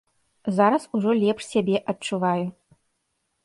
Зараз ужо лепш сябе адчуваю.